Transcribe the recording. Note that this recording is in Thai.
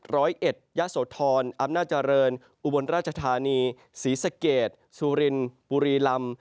ร้อยเอ็ดยะโสธรอำนาจเจริญอุบลราชธานีศรีสะเกดสุรินบุรีลำ